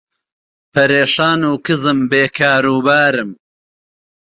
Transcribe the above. پەرێشان و کزم بێ کاروبارم